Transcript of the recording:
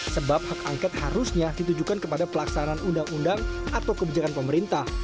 sebab hak angket harusnya ditujukan kepada pelaksanaan undang undang atau kebijakan pemerintah